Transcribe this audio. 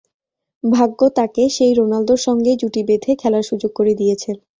কিন্তু ভাগ্য তাঁকে সেই রোনালদোর সঙ্গেই জুটি বেঁধে খেলার সুযোগ করে দিয়েছে।